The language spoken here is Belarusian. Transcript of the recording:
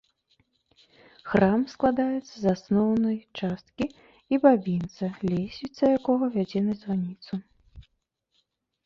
Храм складаецца з асноўнай часткі і бабінца, лесвіца якога вядзе на званіцу.